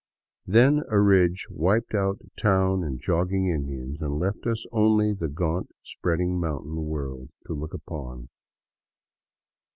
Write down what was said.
Then a ridge wiped out town and jogging Indians, and left us only the gaunt, spreading mountain world to look upon.